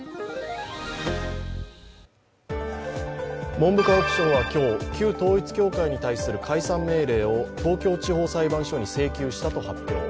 文部科学省は今日、旧統一教会に対する解散命令を東京地方裁判所に請求したと発表。